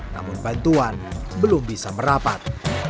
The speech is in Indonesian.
namun bantuan belum bisa merapat